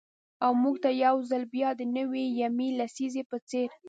او مـوږ تـه يـو ځـل بـيا د نـوي يمـې لسـيزې پـه څـېر.